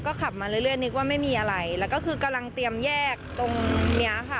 ก็ขับมาเรื่อยนึกว่าไม่มีอะไรแล้วก็คือกำลังเตรียมแยกตรงเนี้ยค่ะ